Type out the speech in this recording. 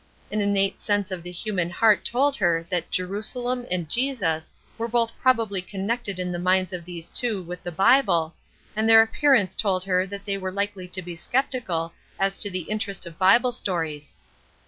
An innate sense of the human heart told her that "Jerusalem" and "Jesus" were both probably connected in the minds of these two with the Bible, and their appearance told her that they were likely to be skeptical as to the interest of Bible stories.